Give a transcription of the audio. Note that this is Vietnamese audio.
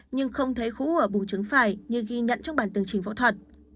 nhưng không thấy khu u ở bùng trứng phải như ghi nhận trong bản tương trình phẫu thuật